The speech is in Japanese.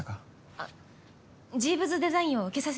あっジーヴズ・デザインを受けさせてください。